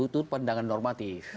itu pendangan normatif